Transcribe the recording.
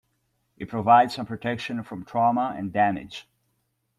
It provides some protection from trauma and damage.